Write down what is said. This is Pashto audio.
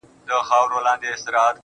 گرانه اخنده ستا خـبري خو، خوږې نـغمـې دي.